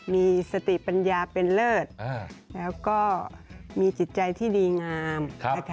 มีสติปัญญาเป็นเลิศแล้วก็มีจิตใจที่ดีงาม